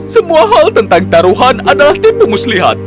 semua hal tentang taruhan adalah tipe muslihat